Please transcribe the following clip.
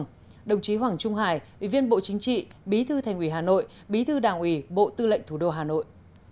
đồng chí hoàng trung hải ủy viên bộ chính trị bí thư thành ủy hà nội bí thư đảng ủy bộ tư lệnh thủ đô hà nội